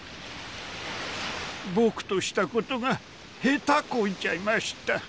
僕としたことが下手こいちゃいました。